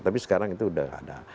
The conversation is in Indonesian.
tapi sekarang itu udah nggak ada